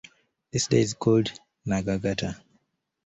This day is called as "Nagagata".